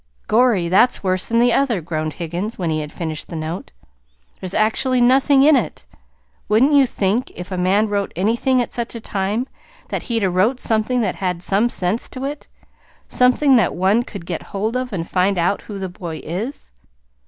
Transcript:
"Gorry! that's worse than the other," groaned Higgins, when he had finished the note. "There's actually nothing in it! Wouldn't you think if a man wrote anything at such a time that he'd 'a' wrote something that had some sense to it something that one could get hold of, and find out who the boy is?"